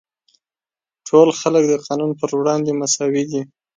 ټول خلک د قانون پر وړاندې مساوي دي.